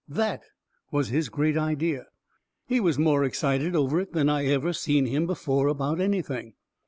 THAT was his great idea. He was more excited over it than I ever seen him before about anything.